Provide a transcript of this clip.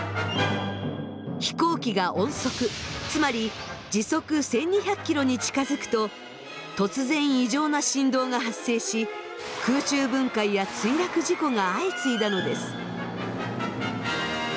飛行機が音速つまり時速１，２００ｋｍに近づくと突然異常な振動が発生し空中分解や墜落事故が相次いだのです。